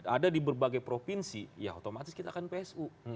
ada di berbagai provinsi ya otomatis kita akan psu